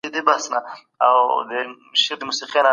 تاريخي څېړنه بايد هېره نه کړو.